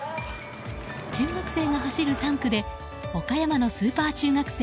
中学生が走る３区で岡山のスーパー中学生